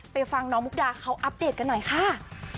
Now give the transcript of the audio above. ฟังน้องมุกดาเขาอัปเดตกันหน่อยค่ะ